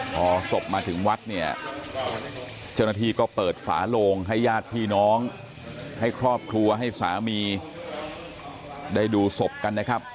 พอศพมาถึงวัดเนี่ยเจ้าหน้าที่ก็เปิดฝาโลงให้ญาติพี่น้องให้ครอบครัวให้สามีได้ดูศพกันนะครับ